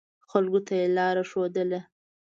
خلکو ته یې لاره ښودله.